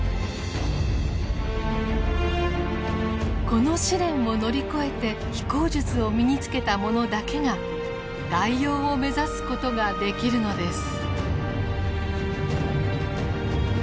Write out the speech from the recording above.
この試練を乗り越えて飛行術を身につけたものだけが外洋を目指すことができるのです。